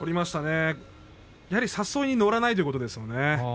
やはり誘いに乗らないということですね。